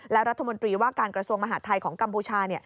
และรัฐมนตรีว่าการกระทรวงมหาดไทยของกัมพูชา